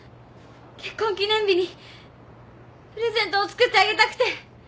結婚記念日にプレゼントを作ってあげたくて。